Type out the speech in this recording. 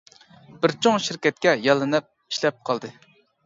بىر چوڭ شىركەتكە ياللىنىپ ئىشلەپ قالدى.